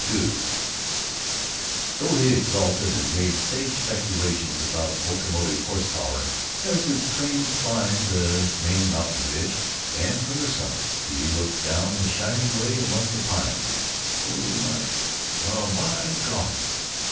II Though he exulted, and made sage speculations about locomotive horse power, as their train climbed the Maine mountain ridge and from the summit he looked down the shining way among the pines; though he remarked, "Well, by golly!"